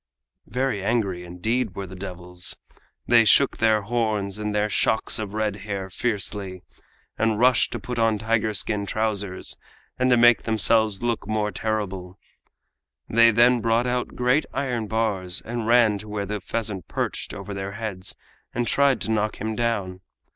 Very angry, indeed, were the devils. They shook their horns and their shocks of red hair fiercely, and rushed to put on tiger skin trousers to make themselves look more terrible. They then brought out great iron bars and ran to where the pheasant perched over their heads, and tried to knock him down.